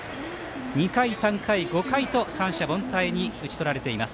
２回、３回、５回と三者凡退に打ち取られています。